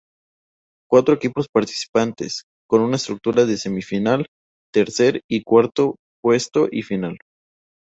Cuatro equipos participantes, con una estructura de semifinal, tercer y cuarto puesto y final.